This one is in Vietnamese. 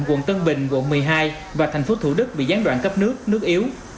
quận tân bình quận một mươi hai và thành phố thủ đức bị gián đoạn cấp nước nước yếu